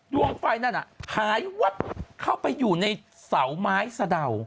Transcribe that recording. ดวงไฟนั่นน่ะหายวับเข้าไปอยู่ในเสาไม้สะดาว